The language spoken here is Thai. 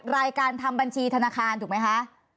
รายการทำบัญชีธนาคารถูกไหมคะ